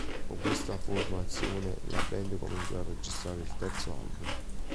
Con questa formazione la band cominciò a registrare il terzo album.